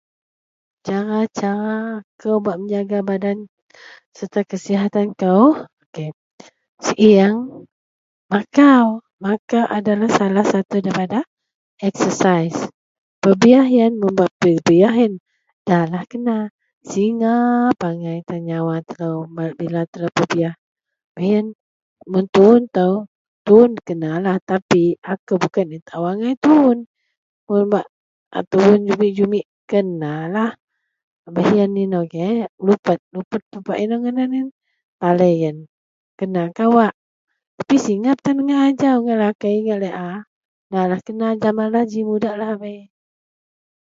Cara-cara ako bak menjaga badan serta kasihatan kou sieng makau, makau adalah satu daripada eksasaih pebiyah iyen da lah kena singap angai tan nyawa telo apabila pebiyah, beh iyen mum tuwon ito, tuwon ito kena tapi akou bukan taao angai pasel tuwon. Mun bak tuwon jumit-jumit kenalah. Beh iyen ino agei belupet, belupet pebak ino nyadan talei ien kena kawak tapi singap tan ngak lakei nda lah sama Jaman mudak lahabei.